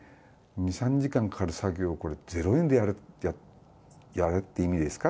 ２、３時間かかる作業をこれ、０円でやれ、やれって意味ですか？